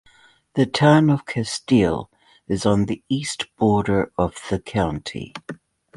The Town of Castile is on the east border of the county.